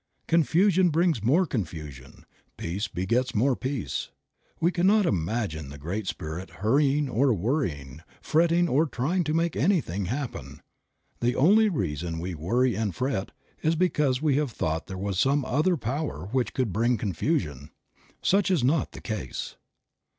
Confusion brings more confusion; peace begets more peace; we cannot imagine the Great Spirit hurrying or worrying, fretting or trying to make anything happen. The only reason we worry and fret is because we have thought there was some other power which could bring confusion. Such is not the case.